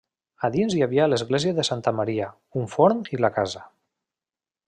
A dins hi havia l'església de Santa Maria, un forn i la casa.